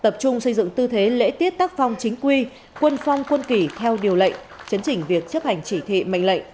phong chính quy quân phong quân kỷ theo điều lệnh chấn trình việc chấp hành chỉ thị mệnh lệnh